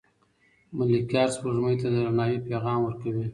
ملکیار سپوږمۍ ته د درناوي پیغام ورکوي.